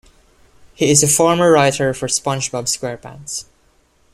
He is a former writer for "SpongeBob SquarePants".